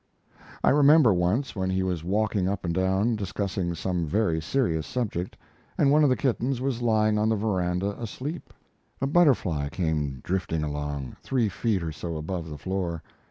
I remember once, when he was walking up and down discussing some very serious subject and one of the kittens was lying on the veranda asleep a butterfly came drifting along three feet or so above the floor.